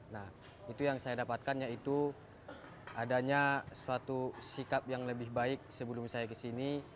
nah itu yang saya dapatkan yaitu adanya suatu sikap yang lebih baik sebelum saya kesini